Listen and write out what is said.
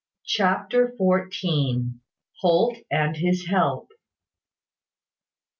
CHAPTER FOURTEEN. HOLT AND HIS HELP.